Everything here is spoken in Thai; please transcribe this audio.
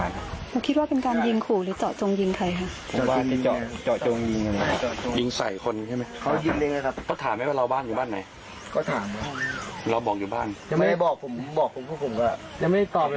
แล้วผมก็เลยขี่รถเหนือ